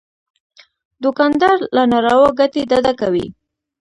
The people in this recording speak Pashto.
دوکاندار له ناروا ګټې ډډه کوي.